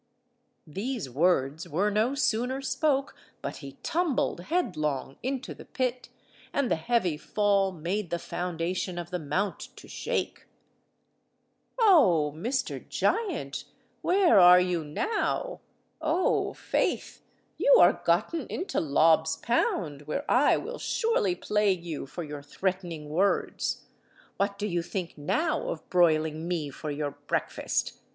These words were no sooner spoke, but he tumbled headlong into the pit, and the heavy fall made the foundation of the Mount to shake. "O Mr. Giant, where are you now? Oh, faith, you are gotten into Lob's Pound, where I will surely plague you for your threatening words. What do you think now of broiling me for your breakfast?